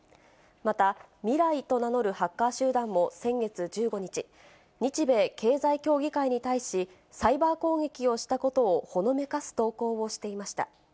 また、ミライと名乗るハッカー集団も先月１５日、日米経済協議会に対し、サイバー攻撃をしたことをほのめかす投稿をしていました。